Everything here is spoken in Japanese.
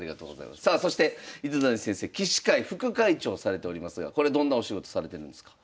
さあそして糸谷先生「棋士界副会長」されておりますがこれどんなお仕事されてるんですか？